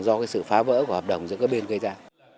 do sự phá vỡ của hợp đồng giữa các bên gây ra